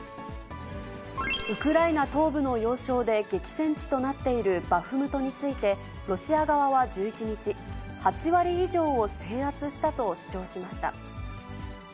ウクライナ東部の要衝で激戦地となっているバフムトについて、ロシア側は１１日、８割以上を制圧したと主張しました。